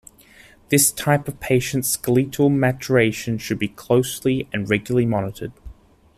This type of patients' skeletal maturation should be closely and regularly monitored.